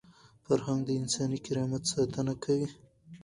فرهنګ د انساني کرامت ساتنه کوي.